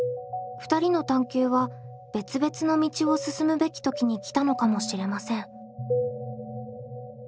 ２人の探究は別々の道を進むべき時に来たのかもしれません。